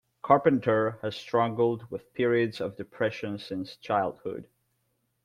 Carpenter has struggled with periods of depression since childhood.